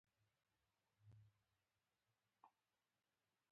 اوړي د افغانانو د ګټورتیا برخه ده.